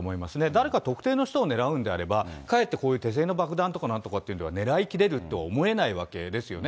誰か特定の人を狙うんであれば、かえってこういう手製の爆弾とかなんとかでは狙いきれるとは思えないわけですよね。